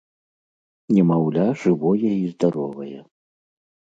Немаўля жывое і здаровае.